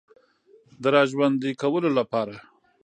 د را ژوندۍ کولو لپاره